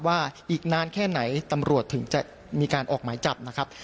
อีกนานแค่ไหนตำรวจถึงจะมีการออกหมายจับนะครับ